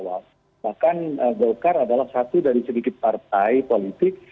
bahkan golkar adalah satu dari sedikit partai politik